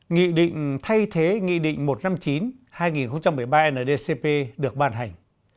nghị định thay thế nghị định một trăm năm mươi chín hai nghìn một mươi ba ndcp được ban hành